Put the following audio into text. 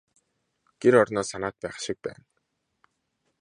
Гэр орноо санаад байх шиг байна.